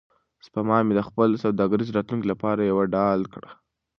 سپما مې د خپل سوداګریز راتلونکي لپاره یوه ډال کړه.